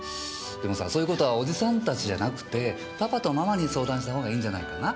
でもさそういう事はおじさんたちじゃなくてパパとママに相談したほうがいいんじゃないかな？